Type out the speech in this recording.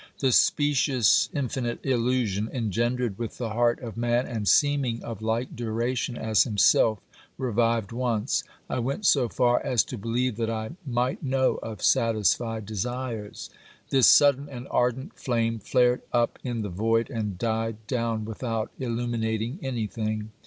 The specious infinite illusion, engendered with the OBERMANN 53 heart of man, and seeming of like duration as himself, revived once; I went so far as to believe that I might know of satisfied desires. This sudden and ardent flame flared up in the void and died down without illu minating anything.